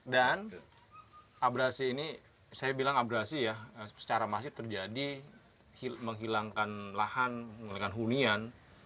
dan abrasi ini saya bilang abrasi ya secara masif terjadi menghilangkan lahan menggunakan hunian